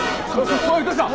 おいどうした？